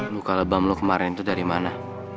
luka lebam lo kemarin itu dari mana